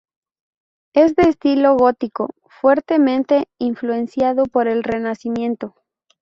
Es de estilo gótico, fuertemente influenciado por el Renacimiento.